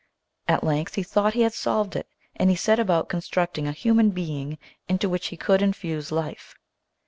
At length he thought he had solved it and he set about con structing a human being into which he could infuse life.